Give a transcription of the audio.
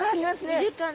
いるかな。